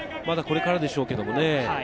まだこれからでしょうけどね。